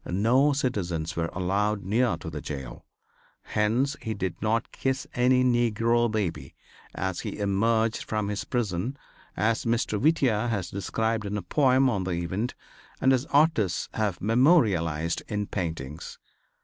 No citizens were allowed near to the jail. Hence he did not kiss any negro baby as he emerged from his prison, as Mr. Whittier has described in a poem on the event and as artists have memorialized in paintings.